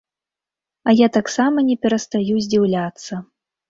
А я таксама не перастаю здзіўляцца.